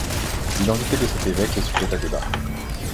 L'identité de cet évêque est sujette à débat.